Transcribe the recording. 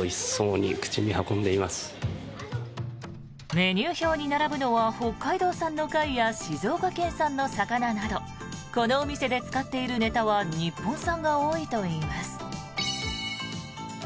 メニュー表に並ぶのは北海道産の貝や静岡県産の魚などこの店で使っているネタは日本産が多いといいます。